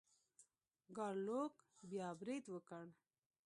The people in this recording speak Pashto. ګارلوک بیا برید وکړ.